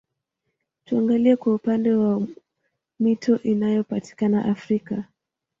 Tuangalie kwa upande wa mito inayopatikana Afrika